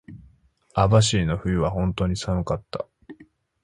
網走の冬は本当に寒かった。